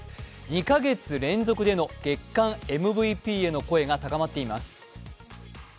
２か月連続での月間ＭＶＰへの声が高まっています。